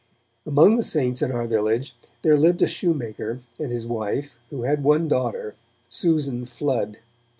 Among the 'Saints' in our village there lived a shoemaker and his wife, who had one daughter, Susan Flood.